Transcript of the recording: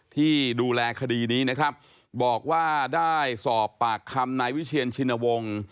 ที่ดูแลคดีนี้นะครับบอกว่าได้สอบปากคำนายวิเชียนชินวงศ์